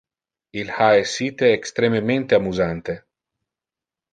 Il ha essite extrememente amusante.